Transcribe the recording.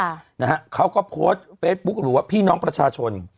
ค่ะนะฮะเขาก็โพสต์เฟซบุ๊คหรือว่าพี่น้องประชาชน